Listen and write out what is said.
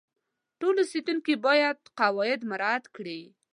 ټول اوسیدونکي باید قواعد مراعات کړي.